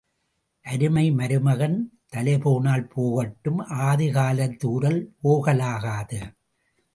அருமை மருமகன் தலைபோனால் போகட்டும் ஆதிகாலத்து உரல் போகலாகாது.